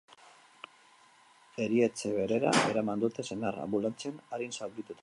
Erietxe berera eraman dute senarra, anbulantzian, arin zaurituta.